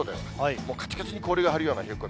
もうかちかちに氷が張るような冷え込み。